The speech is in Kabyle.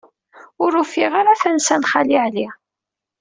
Ur ufiɣ ara tansa n Xali Ɛli.